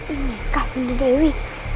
ini kah bunda dewi